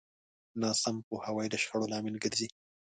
ناسم پوهاوی د شخړو لامل ګرځي.